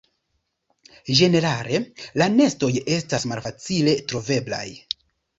Ĝenerale la nestoj estas malfacile troveblaj.